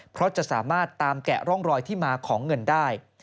เพราะจะสามารถตามแกะร่องรอยที่มาของเงินได้